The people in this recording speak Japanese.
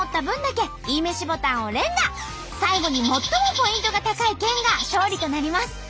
最後に最もポイントが高い県が勝利となります。